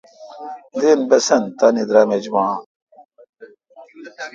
دیر بسن تان درام ایچ با۔